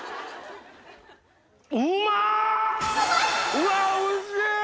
うわおいしい！